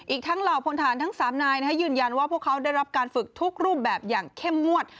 อีกทั้งเหล่าพลฐานทั้ง๓นายยืนยันว่าพวกเขาได้รับการฝึกทุกรูปแบบอย่างเข้มงวด